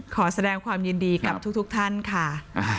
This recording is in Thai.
ขอแสดงความยินดีกับทุกท่านค่ะ